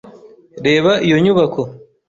Reba iyo nyubako.